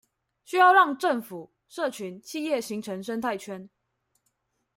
需要讓政府、社群、企業形成生態圈